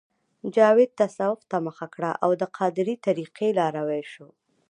جاوید تصوف ته مخه کړه او د قادرې طریقې لاروی شو